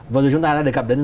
vừa rồi chúng ta đã đề cập đến